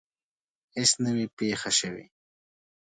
هیڅ نه وي پېښه شوې.